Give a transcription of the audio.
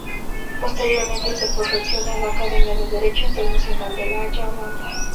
Posteriormente se perfeccionó en la Academia de Derecho Internacional de La Haya, Holanda.